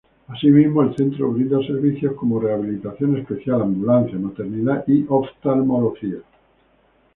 Asimismo, el centro brinda servicios como rehabilitación especial, ambulancia, maternidad y oftalmología.